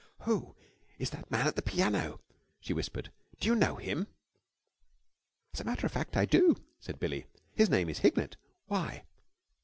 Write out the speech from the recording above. "Who is that man at the piano?" she whispered. "Do you know him?" "As a matter of fact, I do," said Billie. "His name is Hignett. Why?"